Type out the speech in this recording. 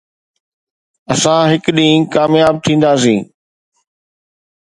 اسان هڪ ڏينهن ڪامياب ٿينداسين